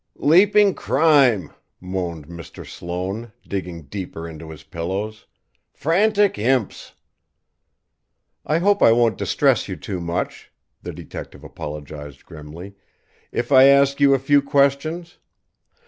"Leaping crime!" moaned Mr. Sloane, digging deeper into the pillows, "Frantic imps!" "I hope I won't distress you too much," the detective apologized grimly, "if I ask you a few questions.